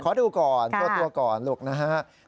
ขอดูก่อนพอตัวก่อนลูกนะครับ